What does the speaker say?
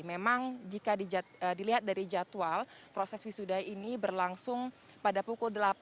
memang jika dilihat dari jadwal proses wisuda ini berlangsung pada pukul delapan